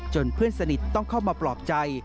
เพื่อนสนิทต้องเข้ามาปลอบใจ